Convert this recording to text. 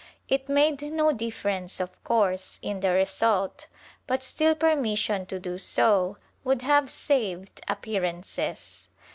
It made no difference of course in the result, but still permission to do so would have saved appearances.